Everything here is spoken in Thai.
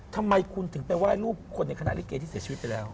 ทำไมคุณถึงไปไหว้รูปคนในคณะลิเกที่เสียชีวิตไปแล้ว